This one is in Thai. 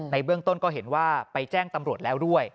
เบื้องต้นก็เห็นว่าไปแจ้งตำรวจแล้วด้วย